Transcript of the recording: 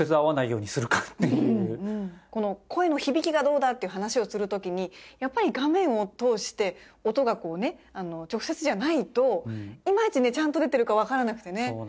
この声の響きがどうだっていう話をする時にやっぱり画面を通して音がこうね直接じゃないといまいちねちゃんと出てるかわからなくてね。